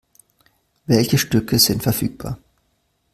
Welche Stücke sind verfügbar?